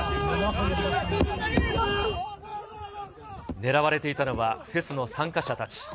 狙われていたのはフェスの参加者たち。